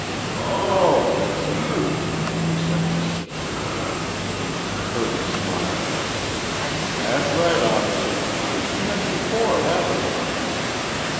"Oh, it's you," he said suspiciously. Kirby smiled. "That's right, officer. We've met before, haven't we?"